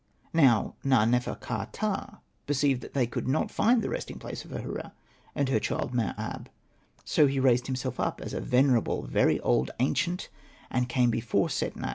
Now Na.nefer.ka.ptah perceived that they could not find the resting place of Ahura and her child Mer ab. So he raised himself up as a venerable, very old, ancient, and came before Setna.